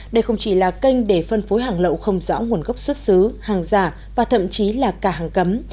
đây không chỉ là kênh để phân phối hàng lậu không rõ nguồn gốc xuất xứ hàng giả và thậm chí là cả hàng cấm